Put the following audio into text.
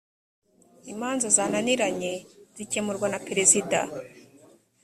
imanza zananiranye zikemurwa na perezida.